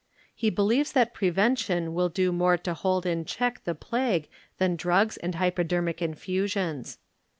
He believes that prevention will do more to hold in check the plague than drugs and hypodermic infusions.